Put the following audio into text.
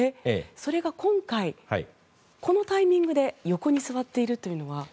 それが今回、このタイミングで横に座っているというのは？